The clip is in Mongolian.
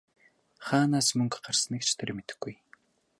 Хаанаас мөнгө гарсныг ч тэр мэдэхгүй!